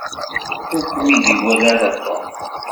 Ur kem-id-iwala ara Tom.